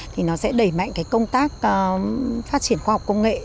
thì nó sẽ đẩy mạnh cái công tác phát triển khoa học công nghệ